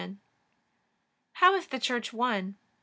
How is the Church One?